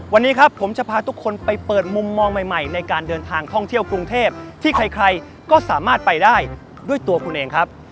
วันนี้ครับผมจะพาทุกคนไปเปิดมุมมองใหม่ในการเดินทางท่องเที่ยวกรุงเทพที่ใครก็สามารถไปได้ด้วยตัวคุณเองครับ